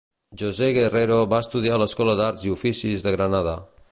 José Guerrero va estudiar a l'Escola d'Arts i Oficis de Granada.